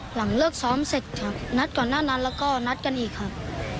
หลังเลิกซ้อมเสร็จครับนัดก่อนหน้านั้นแล้วก็นัดกันอีกครับ